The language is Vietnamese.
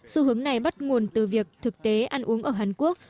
xu hướng này bắt nguồn từ việc thực tế ăn uống ở hàn quốc